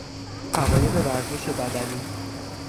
فواید ورزش بدنی